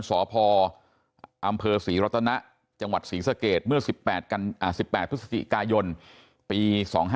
สพอำเภอศรีรัตนะจังหวัดศรีสะเกดเมื่อ๑๘พฤศจิกายนปี๒๕๕